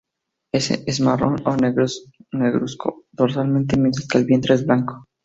Es marrón o negruzco dorsalmente, mientras que el vientre es blanco.